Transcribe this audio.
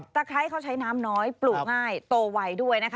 ไคร้เขาใช้น้ำน้อยปลูกง่ายโตไวด้วยนะคะ